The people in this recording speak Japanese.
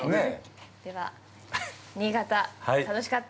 では、新潟楽しかった。